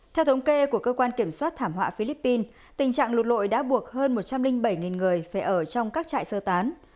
theo thống kê của cơ quan kiểm soát thảm họa philippines tình trạng lụt lội đã buộc hơn một trăm linh bảy người phải ở trong các trại sơ tán